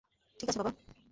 ঠিক আছে বাবা!